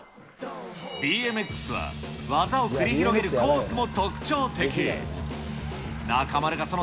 ＢＭＸは技を繰り広げるコースも特徴的。